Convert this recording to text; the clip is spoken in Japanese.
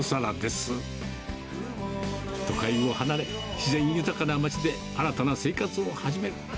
自然豊かな町で新たな生活を始める。